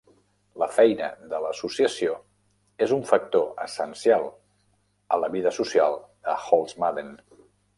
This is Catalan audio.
La feina de l'associació és un factor essencial a la vida social de Holzmaden.